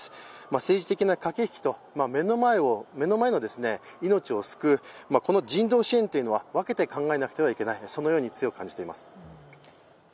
政治的な駆け引きと、目の前の命を救う、この人道支援というのは分けて考えなくてはいけないと強く思います。